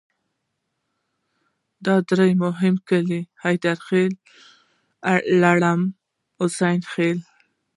د دې درې مهم کلي حیدرخیل، لړم، حسن خیل.